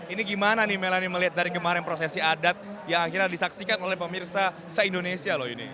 ini gimana nih melani melihat dari kemarin prosesi adat yang akhirnya disaksikan oleh pemirsa se indonesia loh ini